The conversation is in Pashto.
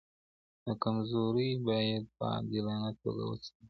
د کمزورۍ باید په عادلانه توګه وڅیړل سي.